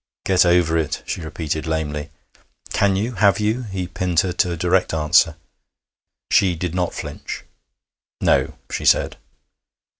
'Get over it!' she repeated lamely. 'Can you? Have you?' He pinned her to a direct answer. She did not flinch. 'No,' she said.